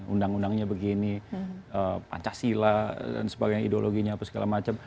undang undangnya begini pancasila dan sebagainya ideologinya apa segala macam